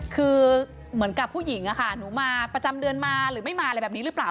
คือเหมือนกับผู้หญิงอะค่ะหนูมาประจำเดือนมาหรือไม่มาอะไรแบบนี้หรือเปล่า